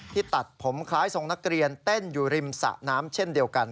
ตัดผมคล้ายทรงนักเรียนเต้นอยู่ริมสะน้ำเช่นเดียวกัน